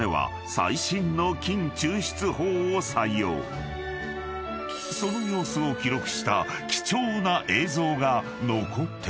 ［その様子を記録した貴重な映像が残っていた］